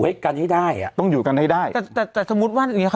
ไว้กันให้ได้อ่ะต้องอยู่กันให้ได้แต่แต่สมมุติว่าหรือจะ